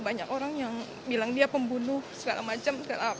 banyak orang yang bilang dia pembunuh segala macam